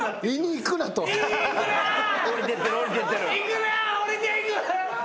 行くな下りていく。